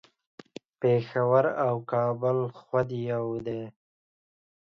پیښور او کابل خود یو دي